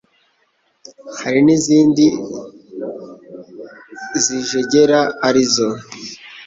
Hari n'izindi zijegera arizo :